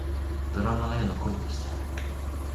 ドラマのような恋がしたい